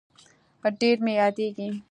ډير مي ياديږي